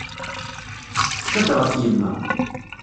Testeqsa-d ɣef yemma.